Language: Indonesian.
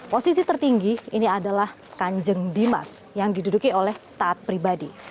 posisi tertinggi ini adalah kanjeng dimas yang diduduki oleh taat pribadi